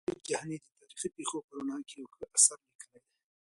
عبدالباري جهاني د تاريخي پېښو په رڼا کې يو ښه اثر ليکلی دی.